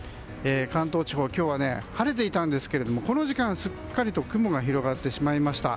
関東地方今日は晴れていたんですがこの時間すっかりと雲が広がってしまいました。